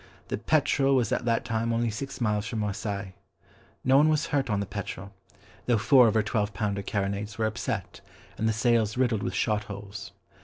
The Petrel was at that time only six miles from Marseilles. No one was hurt on the Petrel, though four of her twelve pounder carronades were upset, and the sails riddled with shot holes.